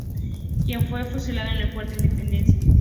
Quien fue fusilado en el Fuerte Independencia.